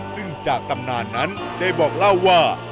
ซึ่งจากตำนานนั้นได้บอกเล่าว่า